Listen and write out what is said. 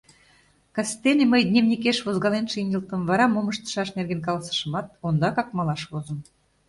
Кастене мый дневникеш возгален шинчылтым, вара мом ыштышаш нерген каласышымат, ондакак малаш возым.